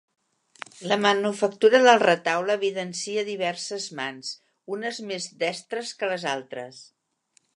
La manufactura del retaule evidencia diverses mans, unes més destres que les altres.